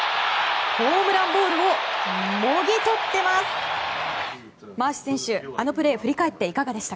ホームランボールをもぎ取ってます。